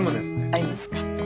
合いますか？